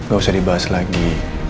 gak usah dibahas lagi